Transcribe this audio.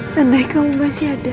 tandai kamu masih ada